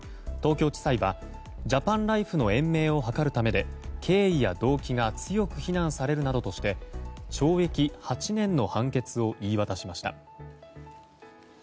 東京地裁はジャパンライフの延命を図るためで経緯や動機が強く非難されるなどとして懲役８年の判決を言い渡しました。